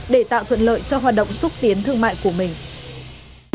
để tạo thuận lợi cho hoạt động xúc tiến thương mại của mình